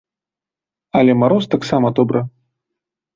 Але мароз таксама добра.